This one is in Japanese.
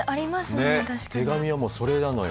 ねっ手紙はもうそれなのよ。